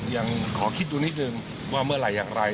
ยังขอคิดดูนิดนึงว่าเมื่อไหร่อย่างไร